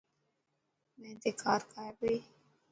مين تي کار کائي پئي.